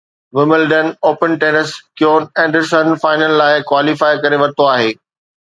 Wimbledon open tennis Kevin Anderson final لاءِ qualify ڪري ورتو آهي